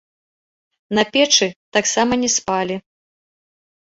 На печы таксама не спалі.